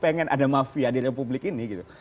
pengen ada mafia di republik ini gitu